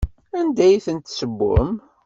Anda ay ten-tessewwem?